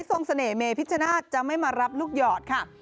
ทรงเสน่ห์เมพิชชนะจะไม่มารับลูกหยอดค่ะ